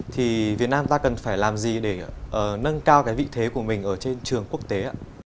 thì việt nam ta cần phải làm gì để nâng cao cái vị thế của mình ở trên trường quốc tế ạ